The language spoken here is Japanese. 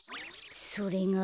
それが。